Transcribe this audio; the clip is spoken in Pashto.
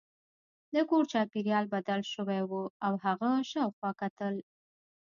د کور چاپیریال بدل شوی و او هغه شاوخوا کتل